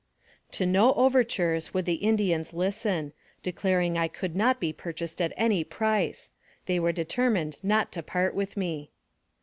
To no overtures would the Indians listen, declaring I could not be purchased at any price they were de termined not to part with me.